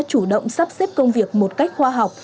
chủ động sắp xếp công việc một cách khoa học